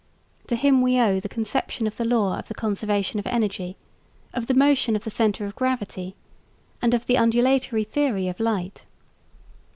To him we owe the conception of the law of the conservation of energy, of the motion of the centre of gravity, and of the undulatory theory of light.